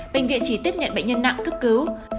bệnh viện chỉ tiếp nhận bệnh nhân nặng cấp cứu